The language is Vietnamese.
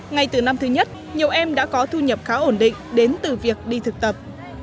ngay từ năm thứ nhất nhiều em đã có thu nhập khá ổn định đến từ việc đi thực tập